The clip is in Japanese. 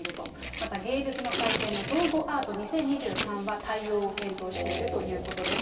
また芸術の祭典の道後アート２０２３は対応を検討しているということです。